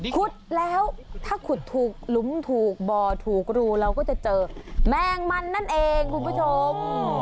ขุดแล้วถ้าขุดถูกหลุมถูกบ่อถูกรูเราก็จะเจอแมงมันนั่นเองคุณผู้ชม